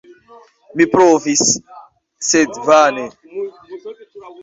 Mi provis, sed vane.